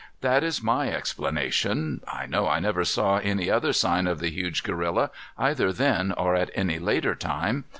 That is my explanation. I know I never saw any other sign of the huge gorilla either then or at any later time.